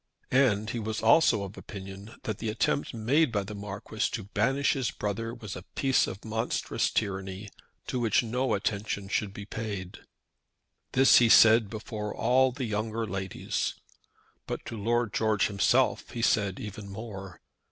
And he was also of opinion that the attempt made by the Marquis to banish his brother was a piece of monstrous tyranny to which no attention should be paid. This he said before all the younger ladies; but to Lord George himself he said even more.